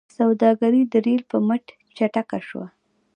سوداګري د ریل په مټ چټکه شوه.